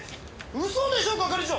嘘でしょ係長。